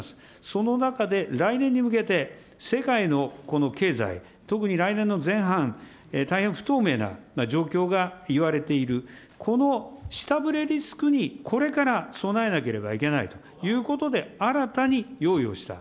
その中で来年に向けて、世界のこの経済、特に来年の前半、大変不透明な状況がいわれている、この下振れリスクにこれから備えなければいけないということで、新たに用意をした。